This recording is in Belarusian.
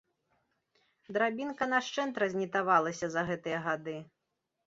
Драбінка нашчэнт разнітавалася за гэтыя гады.